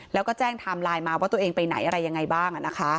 แล้วก็แจ้งไทม์ไลน์มาว่าตัวเองไปไหนอะไรยังไงบ้าง